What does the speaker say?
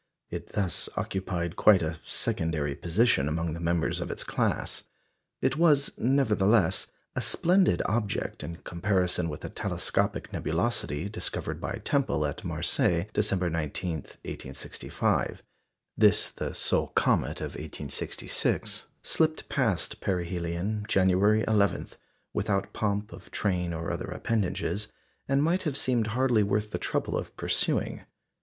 It thus occupied quite a secondary position among the members of its class. It was, nevertheless, a splendid object in comparison with a telescopic nebulosity discovered by Tempel at Marseilles, December 19, 1865. This, the sole comet of 1866, slipped past perihelion, January 11, without pomp of train or other appendages, and might have seemed hardly worth the trouble of pursuing.